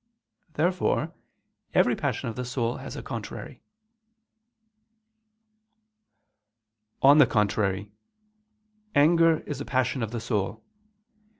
Therefore every passion of the soul has a contrary. On the contrary, Anger is a passion of the soul.